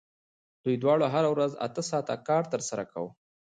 دوی دواړو هره ورځ اته ساعته کار ترسره کاوه